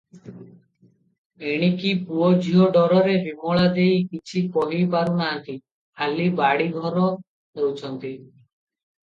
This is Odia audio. ଏଣିକି ପୁଅ ଝିଅ ଡରରେ ବିମଳା ଦେଈ କିଛି କହି ପାରୁନାହାନ୍ତି, ଖାଲି ବାଡ଼ି ଘର ହେଉଛନ୍ତି ।